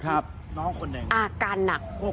อาการหนัก